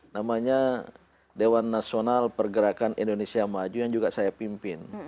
namanya dewan nasional pergerakan indonesia maju yang juga saya pimpin